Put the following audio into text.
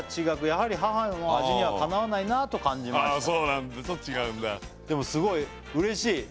「やはり母の味にはかなわないなと感じました」